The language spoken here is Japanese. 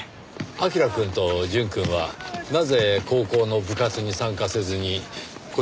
彬くんと淳くんはなぜ高校の部活に参加せずにこちらのチームに？